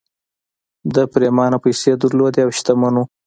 ده پرېمانه پيسې درلودې او شتمن و